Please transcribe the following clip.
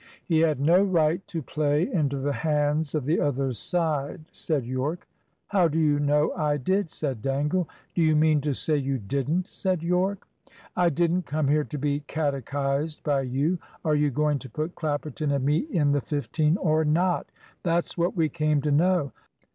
"He had no right to play into the hands of the other side," said Yorke. "How do you know I did?" said Dangle. "Do you mean to say you didn't?" said Yorke. "I didn't come here to be catechised by you. Are you going to put Clapperton and me in the fifteen or not? That's what we came to know."